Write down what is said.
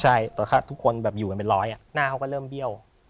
ใช่แต่ทุกคนแบบอยู่กันเป็นร้อยหน้าเขาก็เริ่มเบี้ยว